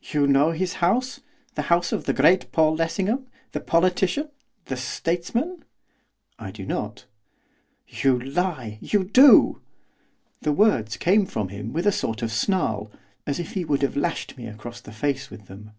'You know his house, the house of the great Paul Lessingham, the politician, the statesman?' 'I do not.' 'You lie! you do!' The words came from him with a sort of snarl, as if he would have lashed me across the face with them.